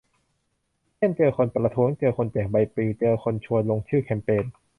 เช่น เจอคนประท้วง เจอคนแจกใบปลิว เจอคนชวนลงชื่อแคมเปญ